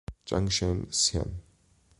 Chang Cheng-Hsien